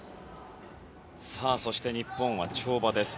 そして日本は跳馬です。